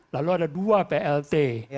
lalu ada dua plt